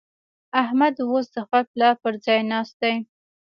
احمد اوس د خپل پلار پر ځای ناست دی.